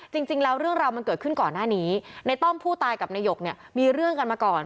จริงแล้วเรื่องราวมันเกิดขึ้นก่อนหน้านี้ในต้อมผู้ตายกับนายกเนี่ยมีเรื่องกันมาก่อน